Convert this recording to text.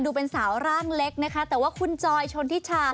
ดูเป็นสาวร่างเล็กนะคะแต่ว่าคุณจอยชนทิชา